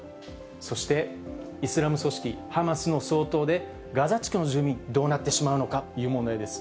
そしてイスラム組織ハマスの掃討で、ガザ地区の住民、どうなってしまうのかという問題です。